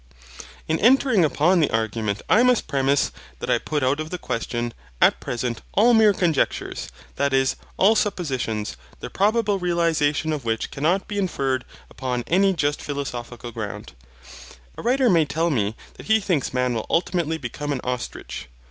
In entering upon the argument I must premise that I put out of the question, at present, all mere conjectures, that is, all suppositions, the probable realization of which cannot be inferred upon any just philosophical grounds. A writer may tell me that he thinks man will ultimately become an ostrich.